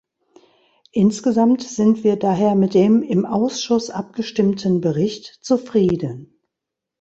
Insgesamt sind wir daher mit dem im Ausschuss abgestimmten Bericht zufrieden.